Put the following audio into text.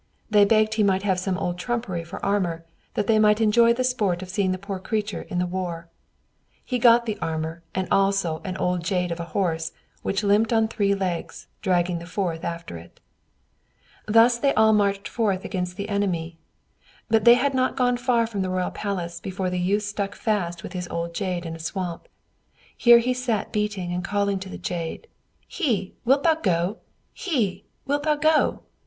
They begged he might have some old trumpery for armor, that they might enjoy the sport of seeing the poor creature in the war. He got the armor and also an old jade of a horse, which limped on three legs, dragging the fourth after it. Thus they all marched forth against the enemy, but they had not gone far from the royal palace before the youth stuck fast with his old jade in a swamp. Here he sat beating and calling to the jade, "Hie! wilt thou go? hie! wilt thou go?"